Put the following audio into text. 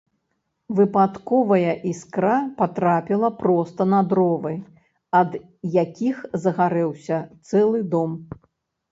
Выпадковая іскра патрапіла проста на дровы, ад якіх загарэўся цэлы дом.